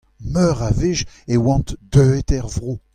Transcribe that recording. Meur a wech e oant deuet er vro.